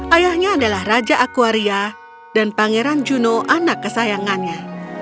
ayahnya adalah raja aquaria dan pangeran juno anak kesayangannya